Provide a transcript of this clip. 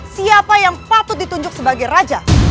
siapa yang patut ditunjuk sebagai raja